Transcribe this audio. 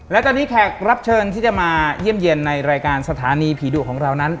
และตอนนี้แขกรับเชิญที่จะมาเยี่ยมเยี่ยมในรายการสถานีผีดุของเรานั้น